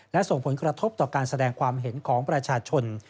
และส่งผลกระทบต่อการแสดงความเห็นของประชาชน